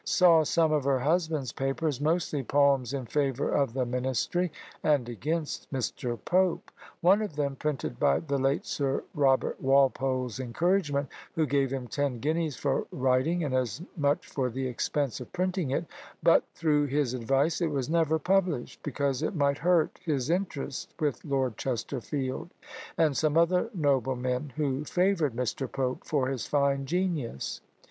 Saw some of her husband's papers, mostly poems in favour of the ministry, and against Mr. Pope. One of them, printed by the late Sir Robert Walpole's encouragement, who gave him ten guineas for writing and as much for the expense of printing it; but through his advice it was never published, because it might hurt his interest with Lord Chesterfield, and some other noblemen who favoured Mr. Pope for his fine genius.